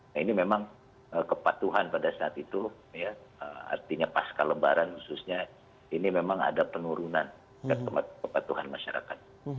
nah ini memang kepatuhan pada saat itu ya artinya pasca lebaran khususnya ini memang ada penurunan kepatuhan masyarakat